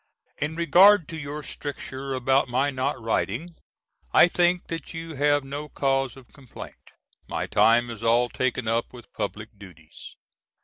In regard to your stricture about my not writing I think that you have no cause of complaint. My time is all taken up with public duties.